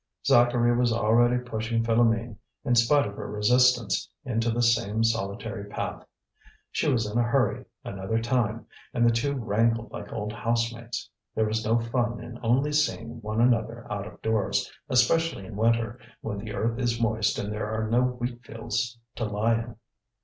Zacharie was already pushing Philoméne in spite of her resistance into the same solitary path. She was in a hurry, another time; and the two wrangled like old housemates. There was no fun in only seeing one another out of doors, especially in winter, when the earth is moist and there are no wheatfields to lie in.